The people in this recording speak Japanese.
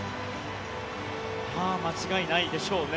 間違いないでしょうね。